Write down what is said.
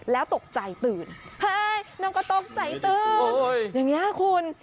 แล้วตกใจตื่นเฮ้ยน้องก็ตกใจตื่นอย่างนี้คุณ